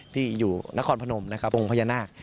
ที่อยู่นครพนมนะครับองค์พญานาค